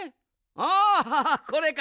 ああこれか。